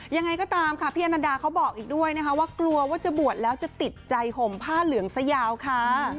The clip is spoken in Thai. ยังไงก็ตามค่ะพี่อนันดาเขาบอกอีกด้วยนะคะว่ากลัวว่าจะบวชแล้วจะติดใจห่มผ้าเหลืองซะยาวค่ะ